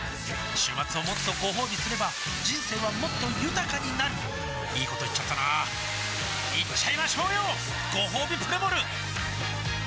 週末をもっとごほうびすれば人生はもっと豊かになるいいこと言っちゃったなーいっちゃいましょうよごほうびプレモル